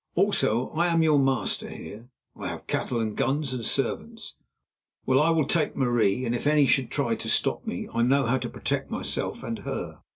Also, I am your master here—I have cattle and guns and servants. Well, I will take Marie, and if any should try to stop me, I know how to protect myself and her."